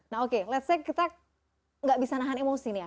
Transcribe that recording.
nah oke kita tidak bisa menahan emosi nih